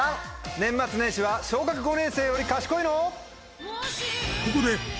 年末年始は小学５年生より賢いの？